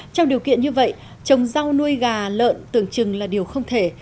trong điều kiện như vậy trồng rau nuôi gà lợn tưởng chừng là điều không thể